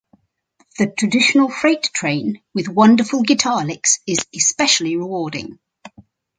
The traditional "Freight Train" with wonderful guitar licks is especially rewarding.